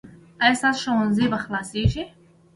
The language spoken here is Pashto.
ایا ستاسو ښوونځی به خلاصیږي؟